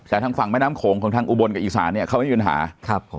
แต่ทางฝั่งแม่น้ำโขงของทางอุบลกับอีสานเขาไม่มีปัญหา